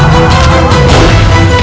aku ingin bertanding